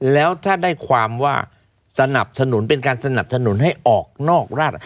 แล้วถ้าได้ความว่าสนับสนุนเป็นการสนับสนุนให้ออกนอกราช